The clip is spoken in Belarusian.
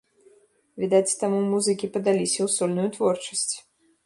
Відаць таму, музыкі падаліся ў сольную творчасць.